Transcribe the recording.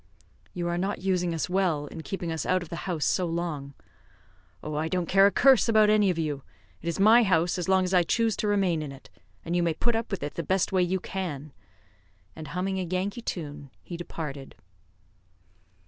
"You are not using us well, in keeping us out of the house so long." "Oh, I don't care a curse about any of you. It is my house as long as I choose to remain in it, and you may put up with it the best way you can," and, humming a Yankee tune, he departed.